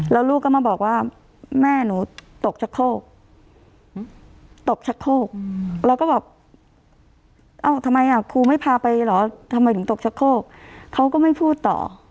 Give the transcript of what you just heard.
แล้วลูกก็มาบอกว่าแม่หนูตกชะโคกตกชักโคกเราก็บอกเอ้าทำไมอ่ะครูไม่พาไปเหรอทำไมถึงตกชะโคกเขาก็ไม่พูดต่อ